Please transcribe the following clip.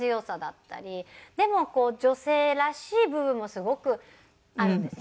でも女性らしい部分もすごくあるんですね。